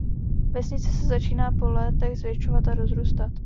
Vesnice se začíná po létech zvětšovat a rozrůstat.